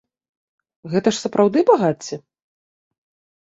Гэта ж сапраўды багацце?